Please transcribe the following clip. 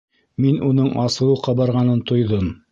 Мин уның асыуы ҡабарғанын тойҙом.